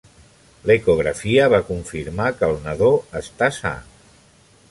L'ecografia va confirmar que el nadó està sa.